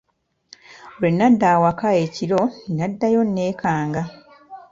Lwe nadda awaka ekiro naddayo nneekanga.